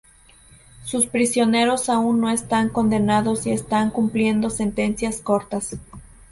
Sus prisioneros aún no están condenados y están cumpliendo sentencias cortas.